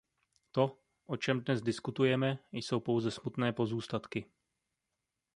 To, o čem dnes diskutujeme, jsou pouze smutné pozůstatky.